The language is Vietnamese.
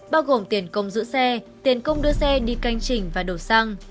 bao gồm tiền công giữ xe tiền công đưa xe đi canh chỉnh và đổ xăng